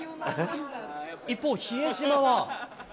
一方、比江島は。